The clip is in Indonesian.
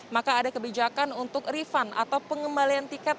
maka ada kebijakan untuk refund atau pengembalian tiket